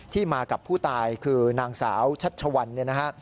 มากับผู้ตายคือนางสาวชัชวัลเนี่ยนะฮะ